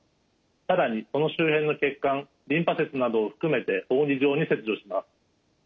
更にその周辺の血管リンパ節などを含めて扇状に切除します。